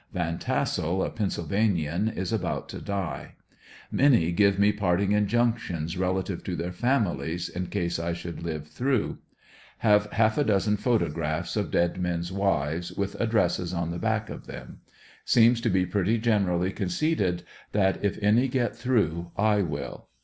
Van Tassel, a Pennsylvanian, is about to die. Many give me parting injunctions relative to their families, in case I should live through Have half a dozen photographs of dead men's wives, with addresses on the back of them. Seems to be pretty generally conceded that if any get through, I will.